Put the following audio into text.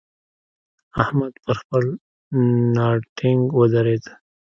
احمد پر خپل ناړ ټينګ ودرېد.